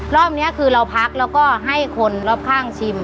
รอบนี้คือเราพักแล้วก็ให้คนรอบข้างชิม